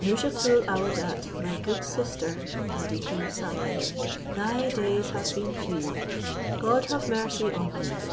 Nouzhatoul aouadat, my good sister," added he, sighing, "thy days have been few: God have mercy on thee."